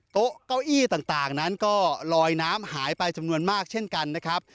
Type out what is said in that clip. โต๊ะเก้าอี้ต่างนั้นก็ลอยน้ำหายไปจำนวนมากเช่นกันนะครับ